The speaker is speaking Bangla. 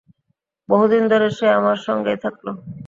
বহুদিন ধরে সে আমার সঙ্গেই থাকলো।